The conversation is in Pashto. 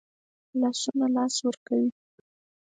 لاسونه لاس ورکوي